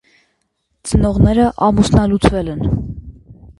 Ծնողներն ամուսնալուծվել են։